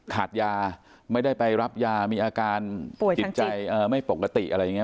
ขาดยาไม่ได้ไปรับยามีอาการป่วยจิตใจไม่ปกติอะไรอย่างนี้